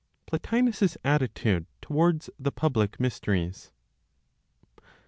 PLOTINOS'S ATTITUDE TOWARDS THE PUBLIC MYSTERIES.